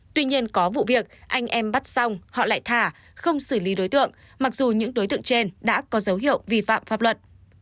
tuy nhiên có vụ việc anh em bắt xong họ lại thả không xử lý đối tượng mặc dù những đối tượng trên đã có dấu hiệu vi phạm pháp luật